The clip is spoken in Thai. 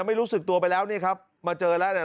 ไม่รู้สึกตัวไปแล้วนี่ครับมาเจอแล้วเนี่ย